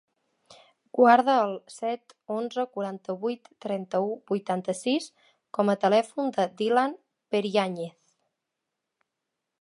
Guarda el set, onze, quaranta-vuit, trenta-u, vuitanta-sis com a telèfon del Dylan Periañez.